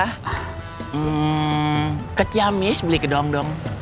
hmm ke ciamis beli ke dongdong